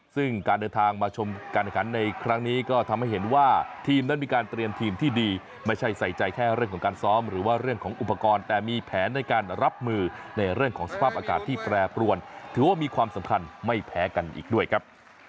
ซึ่งการเดินทางมาชมการขันในครั้งนี้ก็ทำให้เห็นว่าทีมนั้นมีการเตรียมทีมที่ดีไม่ใช่ใส่ใจแค่เรื่องของการซ้อมหรือว่าเรื่องของอุปกรณ์แต่มีแผนในการรับมือในเรื่องของสภาพอากาศที่แปรปรวนถือว่ามีความสำคัญไม่แพ้กันอีกด้วยครับ